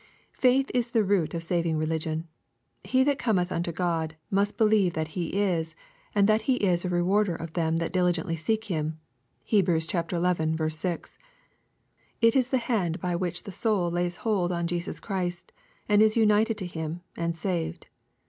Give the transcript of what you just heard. Faith is the root of saving religion. " He that cometh unto God must believe that He is, and that He is a re warder of them that diligently seek Him." (Heb. xi. 6.) It is the hand by which the soul lays hold on Jesus Christ, and is united to Him, and saved.